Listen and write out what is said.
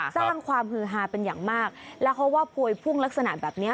สร้างความฮือฮาเป็นอย่างมากแล้วเขาว่าพวยพุ่งลักษณะแบบเนี้ย